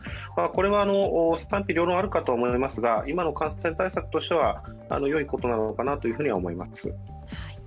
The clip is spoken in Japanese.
これは賛否両論あるかと思いますが、今の感染対策としては良いことなのかなと思います。